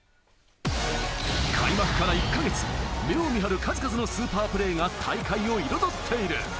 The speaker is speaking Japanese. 開幕から１か月、目を見張る数々のスーパープレーが大会を彩っている。